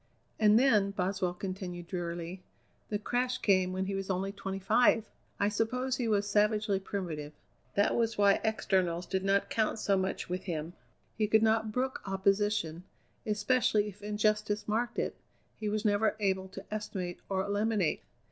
"And then," Boswell continued drearily, "the crash came when he was only twenty five! I suppose he was savagely primitive. That was why externals did not count so much with him. He could not brook opposition, especially if injustice marked it; he was never able to estimate or eliminate.